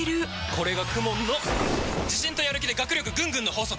これがＫＵＭＯＮの自信とやる気で学力ぐんぐんの法則！